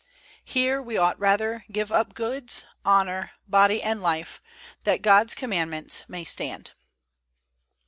Here we ought rather give up goods, honor, body, and life, that God's Commandments may stand.